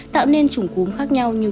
tạo nên chủng cúm khác nhau như